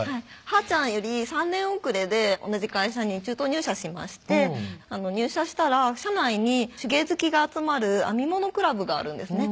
はーちゃんより３年遅れで同じ会社に中途入社しまして入社したら社内に手芸好きが集まる編み物クラブがあるんですね